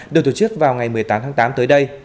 được tổ chức vào ngày một mươi tám tháng tám tới đây